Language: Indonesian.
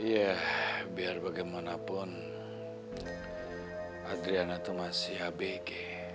ya biar bagaimanapun adriana tuh masih hbg